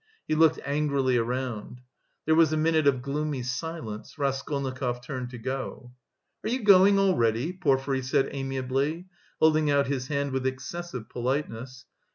He looked angrily around. There was a minute of gloomy silence. Raskolnikov turned to go. "Are you going already?" Porfiry said amiably, holding out his hand with excessive politeness.